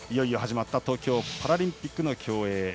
いよいよ始まった東京パラリンピックの競泳。